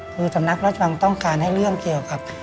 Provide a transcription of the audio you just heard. คือสำนักราชวังต้องการให้เรื่องเกี่ยวกับ